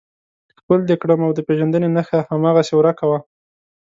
ښکل دې کړم او د پېژندنې نښه هماغسې ورکه وه.